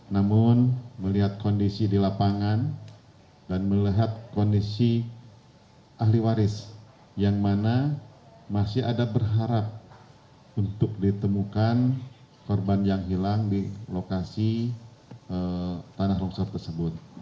namun melihat kondisi di lapangan dan melihat kondisi ahli waris yang mana masih ada berharap untuk ditemukan korban yang hilang di lokasi tanah longsor tersebut